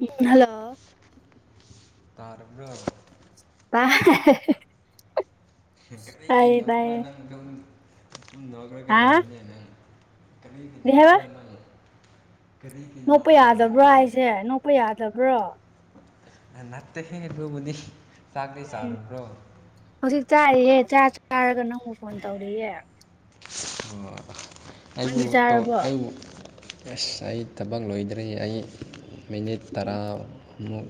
ꯎꯝ hello ꯇꯔꯔꯕ ꯑ ꯀꯔꯤ ꯀ ꯅꯄ꯭ꯔꯥ ꯅꯪ ꯌꯨꯝꯗ ꯈꯔꯒ ꯍꯥ ꯂꯩꯅꯦ ꯅꯪ ꯀꯔꯤꯒꯤꯗꯣ ꯀꯔꯤ ꯍꯥꯏꯕ ꯈꯔꯥ ꯅꯪ ꯀꯔꯤꯒꯤ ꯅꯣꯛꯄ ꯅꯣꯛꯄ꯭ꯔꯥ ꯌꯥꯗꯕ꯭ꯔꯣ ꯍꯥꯏꯕꯅꯦ ꯍꯥꯏꯁꯦ ꯅꯣꯛꯄ ꯌꯥꯗꯕ꯭ꯔꯣ ꯅꯅꯥꯠꯇꯦ ꯑꯗꯨꯨꯕꯨꯗꯤ ꯆꯥꯛꯩ ꯆꯥꯨꯔꯕ꯭ꯔꯣ ꯆꯥꯛꯏꯍꯦ ꯆꯥ ꯆꯥꯔꯒ ꯅꯪꯕꯨ ꯐꯣꯟ ꯇꯧꯔꯛꯌꯦꯦ ꯑꯩꯕꯨ ꯆꯥꯔꯕꯣ ꯑꯩꯕꯨ ꯑꯁ ꯑꯩ ꯊꯕꯛ ꯂꯣꯏꯗ꯭ꯔꯔꯤ ꯑꯩ ꯃꯤꯅꯤꯠ ꯇꯔꯥꯃꯨꯛ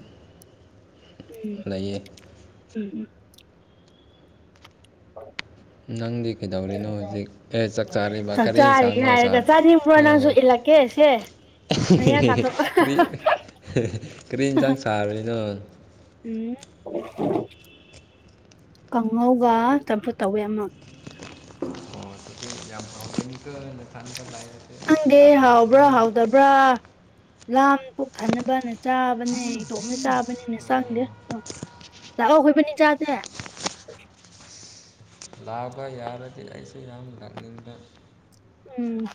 ꯂꯩꯌꯦ ꯎꯝ ꯎꯝ ꯅꯪꯗꯤ ꯀꯩꯗꯧꯔꯤꯅꯣ ꯍ ꯍꯧꯖꯤꯛ ꯑꯦ ꯆꯥꯛ ꯆꯥꯔꯤꯕ ꯆꯥꯛ ꯀꯔꯤ ꯆꯥꯔꯤ ꯏꯟꯁꯥꯡꯅꯣ ꯆꯥ ꯍꯥꯏꯔꯒ ꯆꯥꯅꯤꯡꯕ꯭ꯔꯣ ꯑꯣ ꯅꯪꯁꯨꯂ ꯂꯒꯦ ꯁꯤꯦ ꯀꯔꯤ ꯀꯔꯤ ꯌꯦꯟꯁꯥꯡ ꯁꯥꯔꯅꯣ ꯎꯝ ꯀꯥꯡꯉꯧꯒ ꯇꯝꯐꯨ ꯇꯧꯋꯦ ꯑꯃ ꯌꯦꯀ ꯅꯊꯥꯟꯗ ꯂ ꯍꯥꯎꯕ꯭ꯔꯣ ꯍꯥꯎꯗꯕ꯭ꯔꯥ ꯂꯥꯝ ꯄꯣꯛꯊꯅꯕꯅ ꯆꯥꯕꯅꯦ ꯏꯇꯣꯞꯅ ꯆꯥꯕꯅꯤꯅ ꯑꯣ ꯆꯪꯗꯦ ꯑꯗ ꯂꯥꯛꯑꯣ ꯑꯩꯈꯣꯏꯕꯅꯤ ꯆꯥꯁꯦ ꯂꯥꯛꯄ ꯌꯥꯔꯗꯤ ꯑꯩꯥꯏꯁꯨ ꯌꯥꯝ ꯂꯥꯡꯅꯤꯡꯗ ꯎꯝ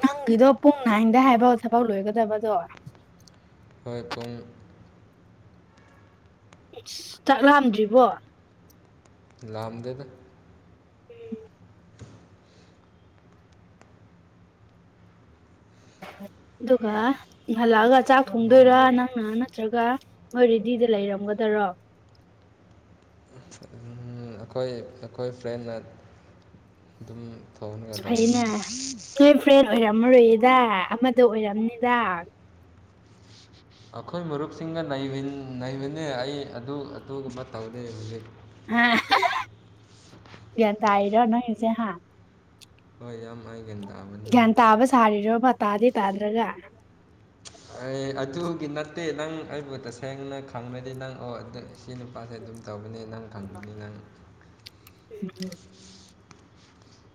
ꯅꯪꯒꯤꯗꯣ ꯄꯨꯡ ꯍꯗ ꯍꯥꯏꯕꯥꯎ ꯊꯕꯛ ꯂꯣꯏꯒꯗꯕꯗꯣ ꯍꯣꯏ ꯄꯨꯡ ꯆꯥꯛꯂꯝꯑꯝꯗ꯭ꯔꯤꯕꯣ ꯂꯝꯗꯗ ꯎꯝ ꯑꯗꯨꯒ ꯍꯜꯂꯛꯑꯒ ꯆꯥꯛ ꯊꯣꯡꯗꯣꯏꯔ ꯅꯪꯅ ꯅꯠꯇ꯭ꯔꯒ ꯃꯣꯏꯔꯦꯗꯤ ꯁꯤꯗ ꯂꯩꯔꯝꯒꯗꯔꯣ ꯑꯩꯈꯣꯏ ꯑꯩꯈꯣꯏ ꯐ꯭ꯔꯦꯟꯅ ꯑꯗꯨꯝ ꯊꯣꯡꯉꯒ ꯂꯩꯕꯅꯤ ꯑꯩꯅꯦ ꯐ ꯑꯣꯏꯔ ꯃꯔꯣꯏꯌꯦꯗ ꯑꯃꯗ ꯑꯣꯏꯔꯝꯅꯤꯗ ꯑꯩꯈꯣꯏ ꯃꯔꯨꯞꯁꯤꯡꯒ ꯅꯩꯕꯅꯦ ꯑꯩ ꯑꯗꯨ ꯑꯗꯨꯒꯨꯝꯕ ꯇꯧꯗꯦ ꯍꯧꯖꯤꯛ ꯑ ꯀ ꯇꯥꯏꯔꯅꯁꯦ ꯍꯥ ꯍꯣꯏ ꯌꯥꯝ ꯍꯥꯏꯒꯦꯅ ꯇꯥꯕꯅꯦ ꯄꯥꯔꯦ ꯄꯥꯗ꯭ꯔꯒ ꯑꯦ ꯑꯗꯨꯒꯤ ꯅꯠꯇꯦ ꯅꯪ ꯑꯩꯕꯨ ꯇꯁꯦꯡꯅ ꯈꯪꯅꯗꯤ ꯅꯪ ꯑꯣ ꯏ ꯅꯨꯄꯥꯁꯦ ꯑꯗꯨꯝ ꯇꯧꯕꯅꯦ ꯅꯪ ꯈꯪꯕꯅꯤ ꯅꯪ ꯎ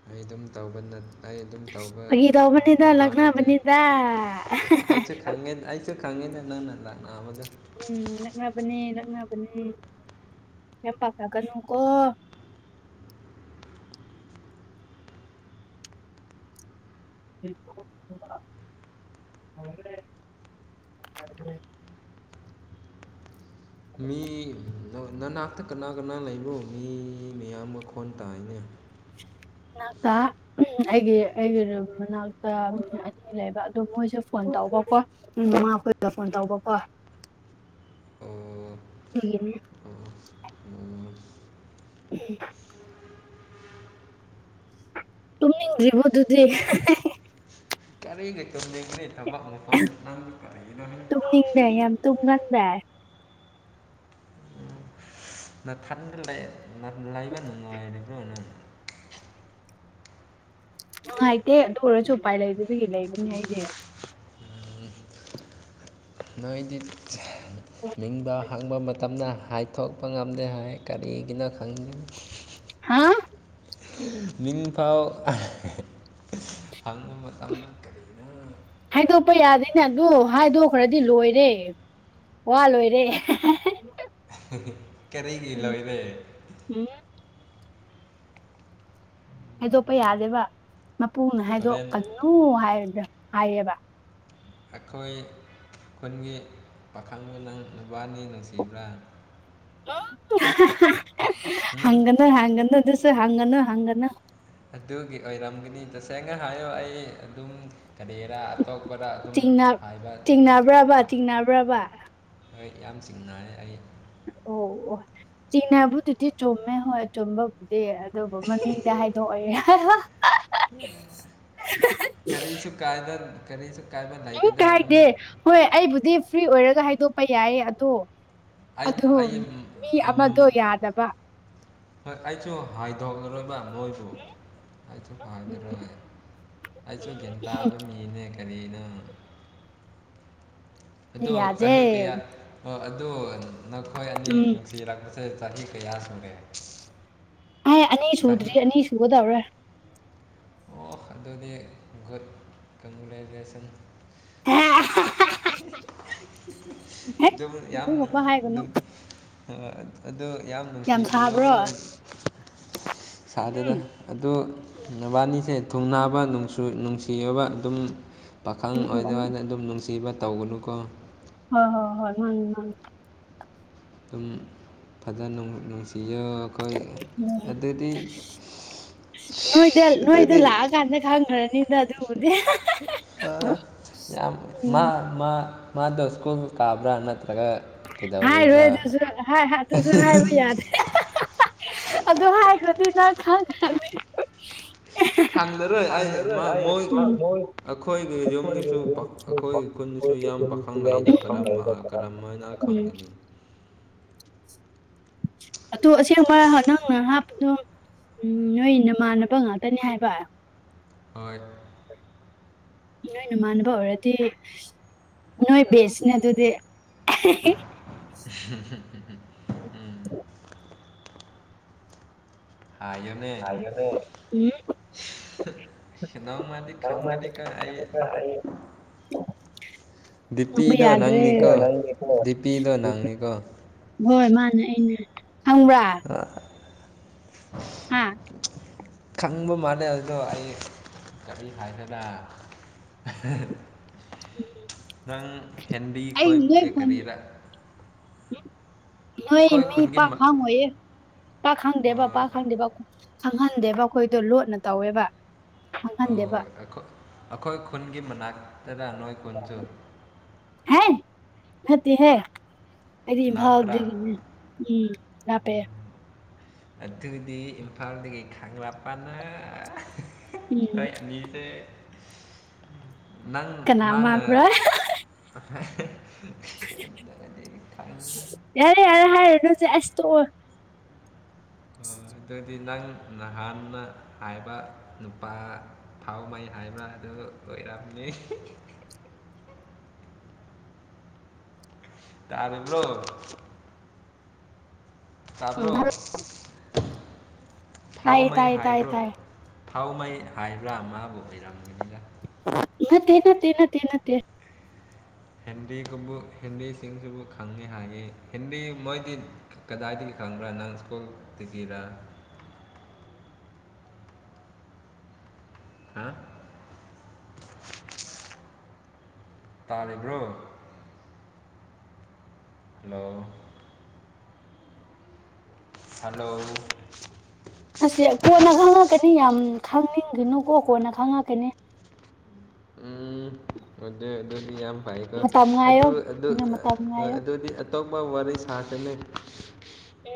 ꯑꯩ ꯑꯗꯨꯝ ꯇꯧꯕ ꯑꯩ ꯑꯗꯨꯝ ꯇꯧꯕ ꯐꯥꯒꯤ ꯇꯧꯕꯅꯤꯗ ꯅꯨꯄꯥ ꯅꯠꯇꯦ ꯂꯛꯅꯕꯅꯤꯗ ꯑꯩꯁꯨꯦ ꯈꯪꯉꯦ ꯑꯩꯁꯨꯦ ꯈꯉꯅ ꯎꯝ ꯂꯛꯅꯕꯅꯤ ꯂꯛꯅ ꯆꯦꯄ ꯀꯥ ꯀꯨ ꯀꯣ ꯍ [unintelligible] ꯃꯤ ꯅꯅꯥꯛꯇ ꯀꯅꯥ ꯀꯅꯥ ꯂꯩꯕꯣ ꯃꯤ ꯃꯤꯌꯥꯝ ꯃꯈꯣꯟ ꯇꯥꯏꯅ ꯃꯅꯥꯛꯇ ꯑꯩꯒꯤ ꯑꯩꯒꯤ ꯃꯅꯥꯛꯇ ꯑꯅꯤ ꯂꯩꯕ ꯑꯗꯨꯣ ꯃꯣꯏꯁꯦ ꯐꯣꯟ ꯇꯧ ꯇꯧꯕꯀꯣ ꯃꯃꯥ ꯑꯩꯈꯣꯏꯗ ꯐꯣꯟ ꯇꯧꯕꯀꯣ ꯑꯣ ꯎ ꯑꯣ ꯑꯣ ꯎꯝ ꯇꯨꯝꯅꯤꯡꯗ꯭ꯔꯤ ꯃꯗꯨꯗꯤ ꯀꯔꯤ ꯀꯩ ꯇꯧꯗ ꯀꯩ ꯊꯕꯛ ꯃꯐꯝꯗ ꯅꯪꯁꯨ ꯀꯔꯤꯗꯣꯅꯦ ꯇꯨꯝꯅꯤꯡꯗꯦ ꯌꯥꯝ ꯇꯨꯝꯒꯟꯗꯦ ꯅꯅꯥ ꯊꯥꯗ ꯂ ꯂꯥꯏꯕ ꯅꯅꯨꯡꯉꯥꯏ ꯑꯦꯕ꯭ꯔꯣꯅ ꯅꯨꯡꯉꯥꯏꯇꯦ ꯑꯗꯨ ꯑꯣꯏꯔꯁꯨ ꯎꯄꯥꯏ ꯂꯩꯗꯕꯤꯒꯤ ꯂꯩꯕꯅꯦ ꯍꯥꯏꯗꯤ ꯅꯣꯏꯗꯤ ꯅꯤꯡꯕ ꯍꯪꯕ ꯃꯇꯝꯅ ꯍꯥꯏꯊꯣꯛꯄ ꯉꯝꯗꯦ ꯍꯥꯏ ꯀꯔꯤꯒꯤꯅꯣ ꯈꯪꯅꯤꯡꯤ ꯍꯥꯥ ꯅꯤꯡꯐꯥꯎ ꯍꯪ ꯃꯇꯝ ꯃꯇꯝꯅ ꯀꯔꯤꯅ ꯑꯩꯅꯗꯣ ꯍꯥꯏꯗꯣꯛꯈ꯭ꯔꯗꯤ ꯂꯣꯏꯔꯦ ꯋꯥ ꯂꯣꯏꯔꯦ ꯀꯔꯤꯒꯤ ꯂꯏꯗ ꯎꯝ ꯍꯥꯏꯗꯣꯛꯄ ꯌꯥꯗꯦꯕ ꯃꯄꯨꯅ ꯍꯣꯔꯦꯟ ꯍꯥꯏꯗꯣꯛꯀꯅꯨ ꯍꯥꯏ ꯍꯥꯏꯌꯦꯕ ꯑꯩꯈꯣꯏ ꯈꯨꯟꯒꯤ ꯄꯥꯈꯪꯗ ꯅꯪ ꯅꯨꯕꯥꯅꯤ ꯅꯨꯡꯁꯤꯕ꯭ꯔꯥ ꯎꯝ ꯍꯅ ꯍꯒꯅꯁꯨ ꯍꯪꯅ ꯍꯪꯅ ꯑꯗꯨꯒꯤ ꯑꯣꯏꯔꯝꯒꯅꯤ ꯇꯁꯦꯡꯅ ꯍꯥꯏꯌꯣ ꯑꯩ ꯑꯗꯨꯝ ꯀꯔꯤꯔꯥ ꯑꯇꯣꯞꯄꯗ ꯑꯗꯨꯝ ꯤꯡ ꯍꯥꯏꯕ ꯇꯤꯡꯅꯕ꯭ꯔꯕ ꯇꯤꯡꯅꯕ꯭ꯔꯕ ꯑꯩ ꯌꯥꯝ ꯆꯤꯡꯅ ꯑꯩ ꯑꯣ ꯆꯤꯅꯦꯕꯨ ꯇꯊꯤ ꯆꯣꯃꯦ ꯍ ꯆꯕꯥ ꯑꯗꯨꯕꯨ ꯃꯃꯤꯡꯗꯤ ꯍꯥꯏꯗꯣꯛꯑꯣꯦ ꯀꯔꯤꯁꯨꯨ ꯀꯥꯏꯗ ꯎꯝ ꯀꯥꯏꯗꯦ ꯍꯣꯏ ꯑꯩꯕꯨꯗꯤ ꯐ꯭ꯔꯤ ꯑꯣꯏꯔꯒ ꯍꯥꯏꯗꯣꯛꯄ ꯌꯥꯏ ꯑꯗꯣ ꯑꯩ ꯑꯗꯨꯣ ꯑꯩ ꯃꯤ ꯑꯃꯗꯣ ꯌꯥꯗꯕ ꯍꯣꯏ ꯑꯩꯁꯨ ꯍꯥꯏꯗꯣꯛꯂꯔꯣꯏꯕ ꯅꯣꯏꯁꯨ ꯑꯩꯁꯨ ꯎꯝ ꯐꯖꯔꯣꯏ ꯑꯩꯁꯨ ꯎꯝ ꯒ꯭ꯌꯥꯟ ꯇꯥꯕ ꯃꯤꯅꯦ ꯀꯅꯤꯩꯅ ꯑꯗꯣ ꯌꯥꯗꯦ ꯆꯍꯤ ꯀꯌꯥ ꯑꯗꯨꯣ ꯅꯈꯣꯏ ꯑꯅꯤ ꯎꯝ ꯅꯨꯡꯁꯤ ꯂꯥꯛꯄꯁꯦ ꯁꯍꯤ ꯀꯌꯥꯁꯒꯦ ꯑꯩ ꯑꯅꯤ ꯁꯨꯗ꯭ꯔꯤ ꯑꯅꯤ ꯁꯨꯒꯗꯧꯔꯦ ꯑꯣ ꯑꯗꯨꯗꯤ ꯒꯨꯗ ꯀꯨꯂꯥꯏꯖꯦꯁꯟ ꯍ ꯍꯦꯛ ꯌꯥꯝ ꯑꯗꯨꯒꯨꯝꯕ ꯍꯥꯏꯒꯅꯨ ꯑꯗꯨꯝ ꯑ ꯑꯗꯨꯗ ꯌꯥꯝ ꯅꯨꯡꯁꯤꯕꯤ ꯁꯥꯗꯨꯗ ꯎꯝ ꯑꯗꯨ ꯑꯅꯤꯁꯦ ꯊꯨꯡꯅꯥꯕ ꯅꯨꯡꯁꯤꯕ ꯑꯗꯨꯝ ꯄꯥꯈꯪ ꯎꯝ ꯎꯝ ꯑꯣꯏꯗ ꯎꯝ ꯑꯣꯏꯅ ꯑꯗꯨꯝ ꯅꯨꯡꯁꯤ ꯁꯤꯤꯕ ꯇꯧꯒꯅꯨꯀꯣ ꯍ ꯍꯣꯏ ꯍꯣꯏ ꯃꯥꯅꯤ ꯃꯥꯅꯤ ꯑꯗꯨꯝ ꯐꯖꯅ ꯅꯨꯡꯁꯤ ꯑꯩꯈꯣꯏ ꯎꯝ ꯑꯗꯨꯗꯤ ꯅꯣꯏꯗ ꯅꯣꯏꯗ ꯑꯗꯨꯗꯤ ꯂꯥꯛꯑꯀꯥꯟꯗ ꯈꯪꯈ꯭ꯔꯅꯤꯅ ꯑꯗꯨꯕꯨꯗꯤ ꯌꯥꯝ ꯎꯝ ꯃꯥ ꯃꯥꯗꯣ ꯁ꯭ꯀꯨꯜ ꯀꯥꯕ꯭ꯔꯥ ꯅꯠꯇ꯭ꯔꯒ ꯀꯩꯗꯧꯔꯤꯕ꯭ꯔꯥ ꯍꯥꯏ ꯑꯗꯨꯨꯁꯨ ꯍꯥꯏꯕ ꯌꯥꯗꯦ ꯑꯗꯨ ꯍꯥꯏꯈ꯭ꯔꯗꯤ ꯆꯅꯤ ꯈꯪꯗꯔꯣꯏ ꯑꯩ ꯃꯣꯏ ꯑꯩꯈꯣꯏꯒꯤ ꯌꯨꯝꯗꯁꯨ ꯑꯩꯈꯣꯏꯒꯤ ꯈꯨꯟꯗꯁꯨ ꯌꯥꯝ ꯄꯥꯈꯪꯂꯛꯏꯗꯝꯕ ꯍꯥꯏꯅ ꯎꯝ ꯈꯪꯒꯅꯤ ꯑꯗꯨ ꯑꯁꯦꯡꯕ ꯅꯪꯅ ꯍꯥꯞꯄꯗꯣ ꯎꯝ ꯅꯣꯏ ꯅꯃꯥꯟꯅꯕ ꯉꯥꯛꯇꯅꯦ ꯍꯥꯏꯕ ꯍꯣꯏ ꯅꯣꯏ ꯅꯃꯥꯟꯅꯕ ꯑꯣꯏꯔꯗꯤ ꯅꯣꯏꯣꯏ ꯦꯁꯅ ꯇꯗꯤ ꯎ [inaudible] ꯑꯏ ꯎꯝ ꯍꯅꯥꯧ ꯃꯥꯗꯤ ꯈꯪꯒꯥꯅꯤꯀꯥ ꯍꯥꯏ ꯊꯝꯕ ꯌꯥꯗ꯭ꯔꯦ ꯅꯪꯅꯤꯀꯣ ꯗꯤꯄꯤꯗꯣ ꯅꯪꯅꯤꯀꯣ ꯍꯣꯏ ꯃꯥꯅꯦ ꯑꯅꯦ ꯈꯪꯕ꯭ꯔꯥ ꯎꯝ ꯈꯪꯕ ꯃꯥꯜꯂꯦ ꯑꯗꯨꯗꯣ ꯑꯩ ꯀꯔꯤ ꯍꯥꯏꯒꯦꯅ [inaudible] ꯎꯝ ꯅꯪ ꯍꯦꯟꯗꯤ ꯈꯣꯏ ꯕꯦꯀꯔꯤꯗ ꯅꯣꯏ ꯃꯤ ꯄꯥꯛ ꯈꯥꯡꯉꯣꯏꯌꯦ ꯄꯥꯛ ꯈꯪꯗꯦꯕ ꯄꯥꯛ ꯈꯪꯗꯦꯕ ꯈꯪꯍꯟꯗꯦꯕ ꯑꯩꯈꯣꯏꯗꯣ ꯂꯣꯠꯅ ꯇꯧꯋꯦꯕ ꯑꯣ ꯈꯪꯍꯟꯗꯦꯕ ꯑꯩꯣꯏ ꯑꯩꯈꯣꯏ ꯈꯨꯟꯒꯤ ꯃꯅꯥꯛ ꯇꯗ ꯅꯣꯏ ꯈꯆ ꯗꯤꯍꯦ ꯑꯩꯗꯤ ꯏꯝꯐꯥꯜꯗꯗꯒꯤꯅꯦ ꯎꯝ ꯂꯄꯦ ꯑꯗꯨꯒꯤꯗꯤ ꯏꯝꯐꯥꯜꯗꯒꯤꯩ ꯈꯞꯄꯅ ꯀ ꯎꯝ ꯃꯤꯁ ꯅꯪ ꯀꯅꯥ ꯃꯥꯅ ꯃꯥꯟꯕ꯭ꯔꯥ ꯈꯪ ꯌꯥꯔꯦ ꯌꯥꯔ ꯍꯥꯏꯔꯅꯁ ꯑꯁ ꯇ ꯑꯗꯨꯗꯤ ꯅꯪ ꯅꯍꯥꯟꯅ ꯍꯥꯏꯕ ꯅꯨꯄꯥ ꯊꯥꯎ ꯃꯩ ꯍꯥꯏꯕ ꯑꯗꯨ ꯑꯗꯨ ꯑꯣꯏꯔꯝꯃꯦ [inaudible] ꯇꯔꯦꯕ꯭ꯔꯣ ꯎꯝ ꯇꯥꯕ꯭ꯔꯣ ꯍꯥꯏꯥꯏꯠꯥꯏ ꯇꯥꯏ ꯇꯥꯏ ꯊꯥꯎ ꯃꯩ ꯍꯥꯏꯕ꯭ꯔꯥ ꯃꯥꯕꯨ ꯑꯣꯏꯔꯝꯒꯅꯤꯡꯉ ꯅꯠꯇ ꯅꯠꯇ ꯅꯠꯇ ꯅꯠꯇ ꯍꯤꯟꯗꯤꯒꯕꯨ ꯍꯤꯟꯗꯤꯁꯤꯡꯁꯤꯕꯨ ꯈꯪꯉꯤ ꯍꯥꯏꯉ ꯍꯤꯟꯗꯤ ꯃꯣꯏꯗꯤ ꯀꯗꯥꯏꯗꯒꯤ ꯈꯪ꯭ꯔꯥ ꯅꯪ ꯁ꯭ꯀꯨꯜ ꯇꯤꯒꯔꯥ ꯑ [inaudible] ꯍꯥ ꯇꯥꯔꯤꯕ꯭ꯔꯣ ꯍꯂꯣ ꯍꯂꯣ ꯑꯁ ꯀꯣꯟꯅ ꯈꯪꯉꯛꯀꯅꯤ ꯌꯥꯝ ꯈꯪꯅꯤꯡꯗꯅꯨꯀꯣ ꯀꯣꯟꯅ ꯈꯪꯉꯛꯀꯅꯤ ꯎꯝ ꯑꯗꯨꯗ ꯑꯗꯨꯗꯤ ꯌꯥꯝ ꯐꯥꯏꯒ ꯃꯇꯝ ꯉꯥꯏꯌꯣ ꯑꯗꯨ ꯑꯗꯨ ꯅꯪ ꯃꯇꯝ ꯉꯥꯏꯌꯣ ꯑꯗꯨꯗꯤ ꯇꯣꯄ ꯋꯥꯔꯤ ꯁꯥꯇꯅꯤ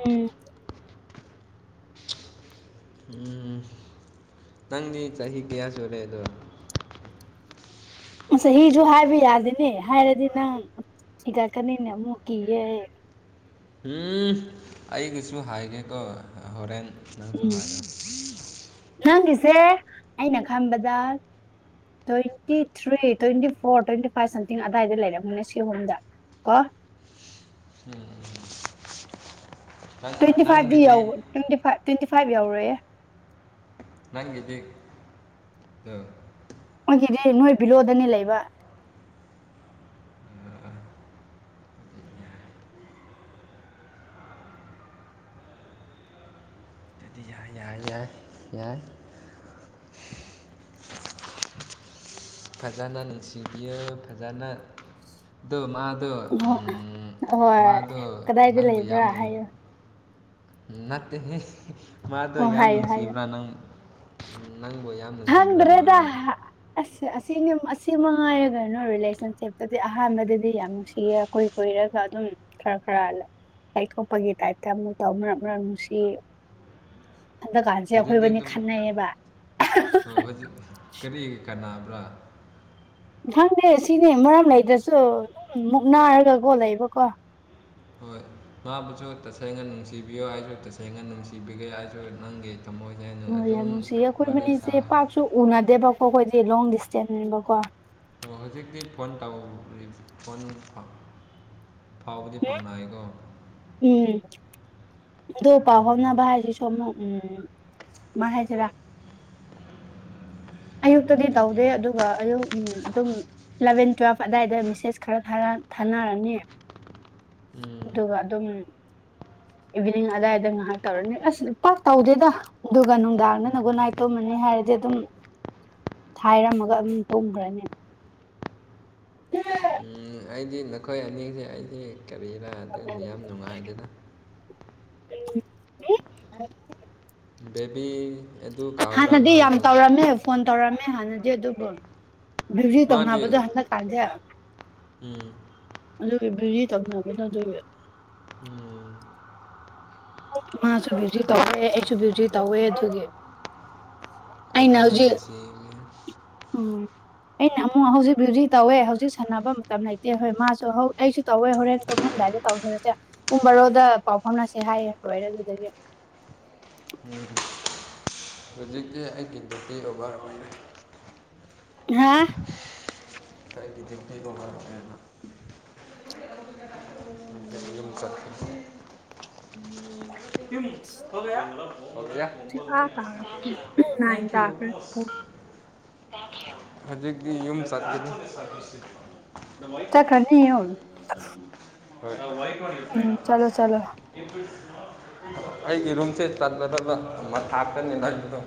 ꯎꯝ ꯎꯝ ꯅꯪꯗꯤ ꯆꯍꯤ ꯀꯌꯥ ꯁꯨꯔꯦ ꯑꯗꯣ ꯆꯍꯤꯁꯨ ꯍꯥꯏꯕ ꯌꯥꯗꯅꯦ ꯍꯥꯏꯔꯗꯤ ꯅꯪ ꯏꯒ ꯀꯅꯤꯅꯦ ꯃꯨꯀꯤꯒꯦ ꯎꯝ ꯑꯩꯒꯤꯁꯨ ꯍꯥꯏꯒꯦꯀꯣ ꯍꯣꯔꯦꯟ ꯅꯥꯪꯁꯨ ꯎꯝ ꯍꯥꯏ ꯌꯣ ꯑ ꯅ ꯈꯝꯕꯗꯥꯥ twenty three twenty four twenty five something ꯑꯗꯥꯏꯗ ꯂꯩꯔꯝꯃꯣꯅꯦ ꯁꯤ ꯑꯣꯝꯗ ꯀ ꯎꯝꯝ ꯇ꯭ꯋꯦꯟꯇꯤ ꯐꯥꯏꯚꯗꯤ ꯌ ꯇ꯭ꯋꯦꯟꯇꯤ ꯐꯥꯏꯚ ꯇ꯭ꯋꯦꯟꯇꯤ ꯐꯥꯏꯚ ꯌꯧꯔꯌꯦꯦ ꯅꯪꯒꯦꯗꯤ ꯑ ꯑꯩꯣꯏꯒꯤꯗꯤ ꯅꯣꯏ ꯕꯤꯂꯣꯗꯅꯤ ꯂꯩꯕ ꯀ ꯌꯥꯟ ꯐꯖꯥꯟꯅ ꯅꯤꯡꯁꯤꯕꯤ ꯐꯖꯥꯟꯅꯥ ꯑꯗꯨ ꯃꯥ ꯑ ꯍꯣꯏ ꯀꯗꯥꯏꯗ ꯂꯩꯕ꯭ꯔꯥ ꯍꯥꯏꯌꯨ ꯅꯠꯇꯦ ꯃꯥꯗꯣ ꯑꯣ ꯌꯥꯝ ꯍꯥꯏꯌꯣ ꯅꯨꯡꯁꯤꯕ꯭ꯔꯥ ꯅꯪ ꯅꯪꯕꯨ ꯌꯥꯝ ꯅꯨꯡꯁꯤꯕ꯭ꯔꯥ ꯍꯪꯗ꯭ꯔꯦꯗ ꯃꯥꯗꯣ ꯑꯁ ꯑꯁ ꯁꯤꯅꯤ ꯑꯁꯤꯃ ꯍꯥꯏꯥꯏꯔꯒꯅꯣ ꯔꯤꯂꯦꯁꯟꯁꯤꯞꯇꯗꯤ ꯑꯍꯥꯟꯕꯗꯗꯤ ꯌꯥꯝ ꯅꯨꯡꯁꯤꯌꯦ ꯀꯀꯨꯏ ꯀꯨꯏꯔꯒ ꯑꯗꯨꯝ ꯎꯝ ꯈꯔ ꯈꯔ ꯂꯩ ꯈꯣꯄꯒꯤ ꯇꯥꯏꯞꯇ ꯑꯃꯨꯛ ꯇꯧ ꯃꯔꯛ ꯃꯔꯛ ꯅꯨꯡꯁꯤ ꯑꯗꯨꯀꯥꯟꯁꯦ ꯑꯩꯈꯣꯏꯕꯨꯅꯤ ꯈꯟꯅꯩꯌꯦꯕ ꯑꯣ ꯍꯧꯖꯤꯛ ꯀꯔꯤ ꯀꯥꯟꯅꯥꯅꯕ꯭ꯔꯥ ꯈꯪꯗꯦ ꯁꯤꯅꯤ ꯃꯔꯝ ꯂꯩꯗ꯭ꯔꯁꯨ ꯃꯨꯛ ꯅꯥꯔꯒ ꯀꯣ ꯂꯩꯕꯀꯣ ꯍꯣꯏ ꯃꯥꯕꯨꯁꯨ ꯇꯁꯦꯡꯅ ꯅꯨꯡꯁꯤꯕꯤꯌꯨ ꯑꯩꯁꯨ ꯇꯁꯦꯡꯅ ꯅꯨꯡꯁꯤꯕꯤꯒꯦ ꯑꯩꯁꯨ ꯅꯪꯒꯤ ꯊꯃꯣꯏꯁꯦ ꯑꯣ ꯌꯥꯝ ꯑꯗꯨꯝ ꯅꯨꯡꯁꯤꯌꯦ ꯑꯩꯈꯣꯏ ꯋꯥꯔꯤ ꯃꯅꯤꯁꯦ ꯁꯥ ꯄꯥꯛꯁꯨ ꯎꯅꯗꯦꯕꯀꯣ ꯑꯩꯈꯣꯏꯗꯤ ꯂꯣꯡ ꯗꯤꯁꯇꯦꯟꯁꯅꯦꯕꯀꯣ ꯑꯣ ꯍꯧꯖꯤꯛꯇꯤ ꯐꯣꯟ ꯇꯥꯎꯔꯤ ꯐꯣꯟ ꯐ ꯐꯥꯎꯕꯗꯤ ꯐꯪꯅꯥꯏꯀꯣ ꯎꯝ ꯑ ꯄꯥꯎ ꯎꯝ ꯐꯥꯎꯅꯕ ꯍꯥꯏꯁꯤ ꯁꯣꯝꯅ ꯎꯝ ꯃꯥ ꯍꯥꯏꯁꯤꯔꯥ [unintelligible] ꯑꯌꯨꯛꯇꯗꯤ ꯑꯗꯨꯗꯤ ꯇꯧꯗꯦ ꯑꯗꯨꯒ ꯑꯌꯨꯛ ꯎꯝ ꯑꯗꯨꯝ ꯏꯂꯚꯦꯟ ꯇꯨꯋꯦꯜꯐ ꯑꯗꯨꯗꯥꯋꯥꯏꯗ ꯃꯦꯁꯦꯖ ꯈꯔ ꯊꯥꯅꯔꯅꯤ ꯎꯝ ꯑꯗꯨꯒ ꯑꯗꯨꯝ ꯏꯚꯤꯅꯤꯡ ꯑꯗꯥꯋꯥꯏꯗ ꯉꯥꯏꯍꯥꯛ ꯇꯧꯔꯅꯤ ꯑꯁ ꯄꯥꯛ ꯇꯧꯗꯦꯗ ꯑꯗꯨꯒ ꯅꯨꯡꯗꯥꯡꯅꯅꯒꯣꯟ ꯅꯥꯏ ꯇꯃꯅꯤ ꯅꯤ ꯍꯥꯏꯔꯗꯤ ꯑꯗꯨꯝ ꯊꯥꯏꯔꯝꯃꯒ ꯑꯗꯨꯝ ꯇꯣꯡꯈ꯭ꯔꯅꯤ ꯎ ꯑꯩꯗꯤ ꯅꯈꯣꯏ ꯑꯅꯤꯁꯦ ꯑꯩꯗꯤ ꯀꯕꯤꯔꯥ ꯑꯗꯨꯅꯤ ꯌꯥꯝ ꯅꯨꯡꯉꯥꯏꯗꯅ ꯎ ꯕꯦꯕꯤ ꯑꯗꯨ ꯀꯥꯎꯕ꯭ꯔꯥ ꯍꯥꯟꯅꯗꯤ ꯌꯥꯝ ꯃꯥꯗꯣ ꯇꯧꯔꯝꯃꯦ ꯐꯣꯟ ꯇꯧꯔꯝꯃꯦ ꯍꯥꯟꯅꯗꯤ ꯑꯗꯨꯕꯨ ꯔꯖꯤ ꯃꯥꯗꯤ ꯇꯧꯅꯕꯗꯨꯥ ꯍꯥꯅ ꯀꯥꯖ ꯎꯝ ꯑꯗꯨꯒꯤ ꯕꯤꯨꯖꯤ ꯇꯧꯅꯕꯗ ꯑꯗꯨꯒꯤ ꯎꯝ ꯃꯥꯁꯨ ꯕ꯭ꯌꯨꯖꯤ ꯍꯣꯏ, ꯇꯧꯋꯦ ꯑꯩꯁꯨ ꯕ꯭ꯌꯨꯖꯤ ꯇꯧꯋꯦ ꯑꯗꯨꯒꯤ ꯑꯩꯅ ꯀꯒꯅ ꯍꯧꯖꯤꯛ ꯂꯩ ꯁꯤꯦ ꯎꯝ ꯑꯩꯅ ꯑꯃꯨꯛ ꯍꯧꯖꯤꯛ ꯍꯧꯖꯤꯛ ꯇꯧꯋꯦ ꯍꯧꯖꯤꯛ ꯁꯥꯟꯅꯕ ꯃꯇꯝ ꯂꯩꯇꯦ ꯍꯣꯏ ꯃꯥꯁꯨ ꯑꯩꯁꯨ ꯇꯧꯋꯦ ꯍꯣꯔꯦꯟ ꯇꯧꯃꯝꯗꯥꯏꯗ ꯇꯧꯖꯔꯁꯦ ꯄꯨꯡꯕꯔꯣꯗ ꯄꯥꯎ ꯐꯅꯁꯦ ꯍꯥꯏꯌꯦ ꯍꯔ ꯑꯗꯨꯗꯒꯦ ꯍꯧꯖꯤꯛꯇꯤ ꯑꯩꯒꯤꯗꯗꯤ ꯑꯣꯚꯔ ꯑꯣꯏꯔꯦ ꯍꯥꯥ ꯀꯥꯏꯒꯤꯗꯤꯗꯤꯅ ꯀꯧꯅꯅ ꯆꯝ ꯍꯒ ꯍꯧꯖꯤꯛ ꯊꯦꯡꯀ ꯑꯥ ꯇꯥꯔ ꯄꯨꯡ ꯅꯥꯏꯟ ꯌꯌꯨ ꯇꯥꯈ꯭ꯔꯦ ꯍꯧꯖꯤꯛꯇꯤ ꯌꯨꯝ ꯆꯠꯈꯤꯅꯤ ꯆꯠꯈ꯭ꯔꯅꯤ ꯌꯨꯝ ꯃꯣꯏꯂ ꯋꯥꯏ ꯋꯥꯔ ꯎꯝ ꯇ꯭ꯔꯥꯏꯅꯔ ꯆꯠꯂꯣ ꯆꯠꯂꯣ ꯑꯩꯒꯤ ꯔꯨꯝꯁꯦ ꯆꯠꯄꯗ ꯑꯃ ꯍꯥꯥꯞꯀꯅꯤꯅ ꯂꯩꯕꯗꯣ